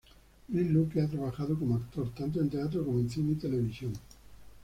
Luis Luque ha trabajado como actor tanto en teatro como en cine y televisión.